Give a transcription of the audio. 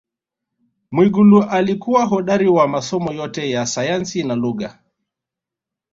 Mwigulu alikuwa hodari wa masomo yote ya sayansi na lugha